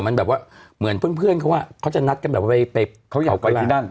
มันไปว่าเหมือนเพื่อนเขาจะนัดกันค่ะว่าเขาอยากไปที่ด้าน